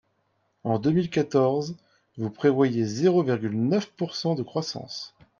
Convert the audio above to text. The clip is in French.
En deux mille quatorze, vous prévoyez zéro virgule neuf pourcent de croissance.